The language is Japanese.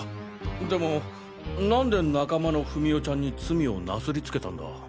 でもなんで仲間の史緒ちゃんに罪をなすりつけたんだ？